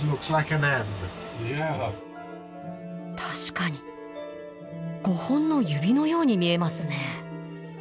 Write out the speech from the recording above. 確かに５本の指のように見えますね。